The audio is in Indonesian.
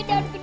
ada di situ